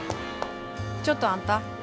ちょっとあんた。